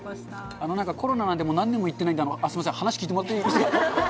なんかコロナなんで、何年も行ってないんで、すみません、話聞いてもらっていいですか。